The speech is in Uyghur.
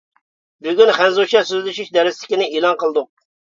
بۈگۈن خەنزۇچە سۆزلىشىش دەرسلىكىنى ئېلان قىلدۇق.